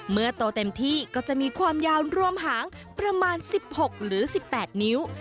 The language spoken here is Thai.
โตเต็มที่ก็จะมีความยาวรวมหางประมาณ๑๖หรือ๑๘นิ้ว